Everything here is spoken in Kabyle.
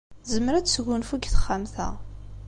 Tezmer ad tesgunfu deg texxamt-a.